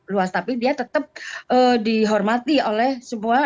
luas tapi dia tetap dihormati oleh semua negara negara lain